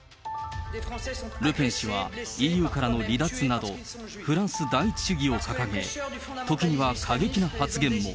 ルペン氏は、ＥＵからの離脱など、フランス第一主義を掲げ、時には過激な発言も。